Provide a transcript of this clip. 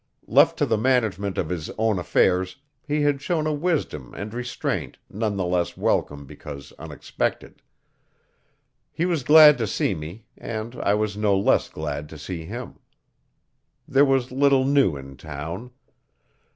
Left to the management of his own affairs, he had shown a wisdom and restraint none the less welcome because unexpected. He was glad to see me, and I was no less glad to see him. There was little new in town.